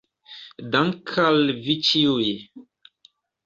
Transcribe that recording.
Dank' al vi ĉiuj